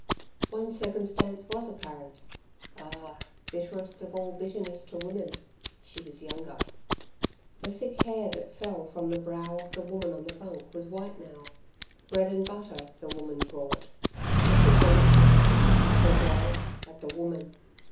One circumstance was apparent ah! bitterest of all bitterness to women she was younger. The thick hair that fell from the brow of the woman on the bunk was white now. Bread and butter the woman brought. The cripple looked at it, at her dog, at the woman.